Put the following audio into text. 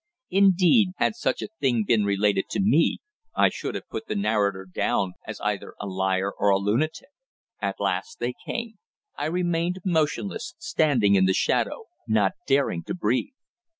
Indeed, had such a thing been related to me, I should have put the narrator down as either a liar or a lunatic. At last they came. I remained motionless, standing in the shadow, not daring to breathe.